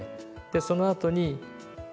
でそのあとに開く。